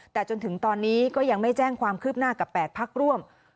แต่จนถึงตอนนี้ก็ยังไม่แจ้งความคืบหน้ากับ๘พักร่วม